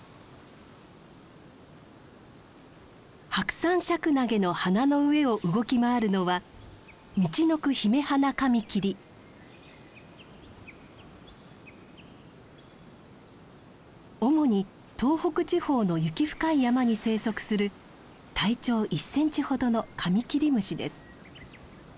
ハクサンシャクナゲの花の上を動き回るのは主に東北地方の雪深い山に生息する体長１センチほどのカミキリムシです。